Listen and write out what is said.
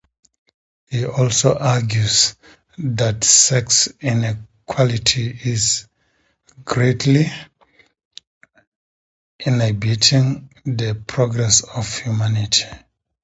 He also argues that sex inequality is greatly inhibiting the progress of humanity.